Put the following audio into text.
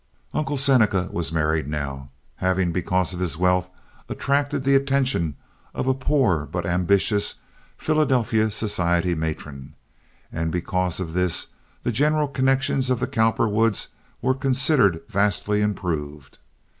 Uncle Seneca was married now, having, because of his wealth, attracted the attention of a poor but ambitious Philadelphia society matron; and because of this the general connections of the Cowperwoods were considered vastly improved.